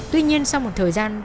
tuy nhiên sau một thời gian